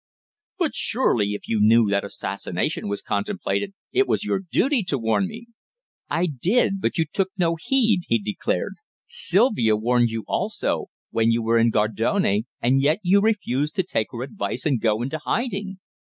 "But surely if you knew that assassination was contemplated, it was your duty to warn me." "I did but you took no heed," he declared. "Sylvia warned you also, when you met in Gardone, and yet you refused to take her advice and go into hiding!"